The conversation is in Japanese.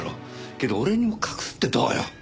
けど俺にも隠すってどうよ？